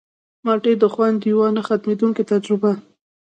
مالټې د خوند یوه نه ختمېدونکې تجربه ده.